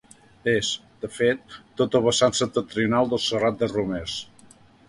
És, de fet, tot el vessant septentrional del Serrat de Romers.